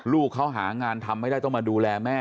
ลูกเขาหางานทำไม่ได้ต้องมาดูแลแม่